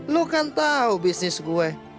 lu kan tau bisnis gue